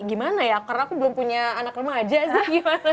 gimana ya karena aku belum punya anak remaja sih